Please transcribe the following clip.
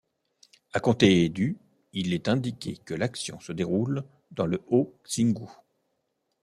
À compter du il est indiqué que l'action se déroule dans le Haut-Xingu.